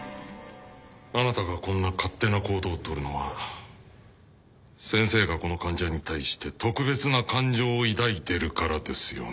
あなたがこんな勝手な行動を取るのは先生がこの患者に対して特別な感情を抱いてるからですよね？